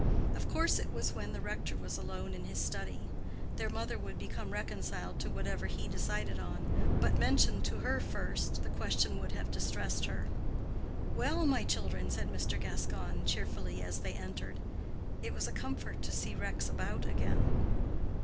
Of course it was when the rector was alone in his study. Their mother would become reconciled to whatever he decided on, but mentioned to her first, the question would have distressed her. "Well, my children!" said Mr. Gascoigne, cheerfully, as they entered. It was a comfort to see Rex about again.